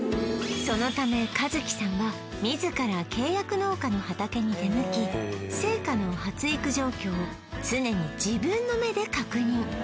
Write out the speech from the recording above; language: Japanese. そのため和希さんは自ら契約農家の畑に出向き青果の発育状況を常に自分の目で確認